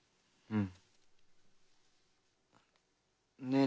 うん？